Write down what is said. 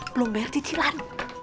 belum bel cicilan